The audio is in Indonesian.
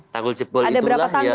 tanggul jebol itulah yang